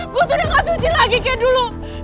gue tuh udah gak suci lagi kayak dulu